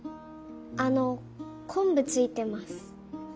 あのこんぶついてます。